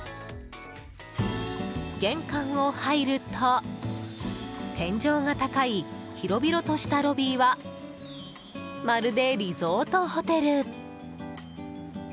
玄関を入ると天井が高い、広々としたロビーはまるでリゾートホテル。